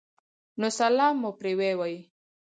نو سلام مو پرې ووې